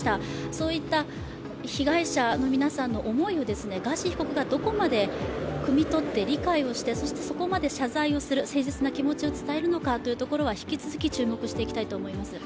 そういった被害者の皆さんの思いをガーシー被告がどこまでくみとって理解をして、そしてそこまで謝罪をする誠実な気持ちを伝えるのかというのを引き続き注目していきたいと思います。